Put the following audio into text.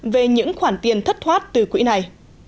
về những khoản tiền thất thoát từ quỹ này